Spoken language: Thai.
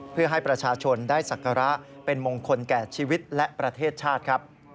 เพื่อให้ประชาชนได้ศักระเป็นมงคลแก่ชีวิตและประเทศชาติครับ